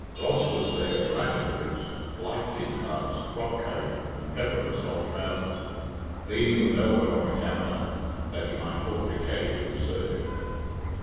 Ross was there in lacquered boots, light kid gloves, frock coat, and pepper and salt trousers, leaning with elbow on the counter, that he might talk to Kate, who was serving.